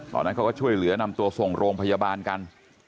ตอนนั้นเขาก็ช่วยเหลือนำตัวส่งโรงพยาบาลกัน